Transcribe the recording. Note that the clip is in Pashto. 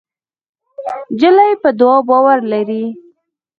نجلۍ په دعا باور لري.